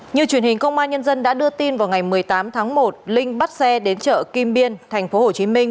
như truyền hình công an nhân dân đã đưa tin vào ngày một mươi tám tháng một linh bắt xe đến chợ kim biên thành phố hồ chí minh